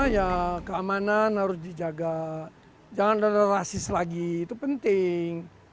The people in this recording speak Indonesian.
ya keamanan harus dijaga jangan ada rasis lagi itu penting